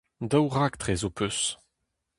Daou raktres ho peus.